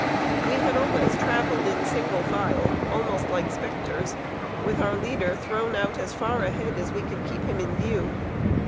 We had always traveled in single file, almost like specters, with our leader thrown out as far ahead as we could keep him in view.